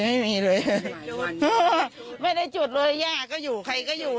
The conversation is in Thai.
ไม่มีเลยไม่ได้จุดเลยย่าก็อยู่ใครก็อยู่